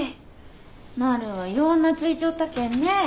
なるはよう懐いちょったけんね。